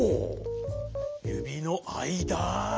ゆびのあいだ。